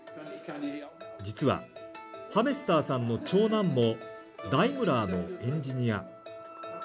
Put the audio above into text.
実は、ハメスターさんの長男もダイムラーのエンジニア。